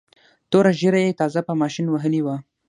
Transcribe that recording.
توره ږیره یې تازه په ماشین وهلې وه.